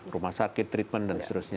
rumah sakit treatment dan seterusnya